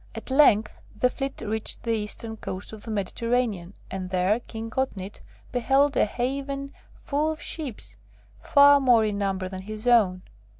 At length the fleet reached the Eastern coast of the Mediterranean, and there King Otnit beheld a haven full of ships, far more in number than his own.